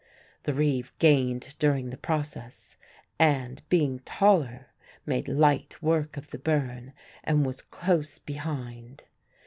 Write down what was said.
The reeve gained during the process and, being taller, made light work of the burn and was close behind.